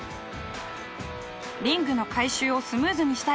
リングの回収をスムーズにしたい。